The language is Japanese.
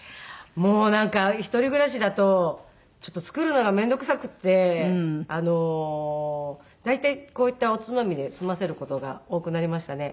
もうなんか一人暮らしだとちょっと作るのが面倒くさくって大体こういったおつまみで済ませる事が多くなりましたね。